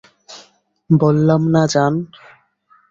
বললাম না যান!